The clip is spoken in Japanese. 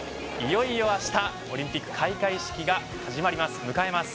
いよいよ、あしたオリンピック開会式が始まります。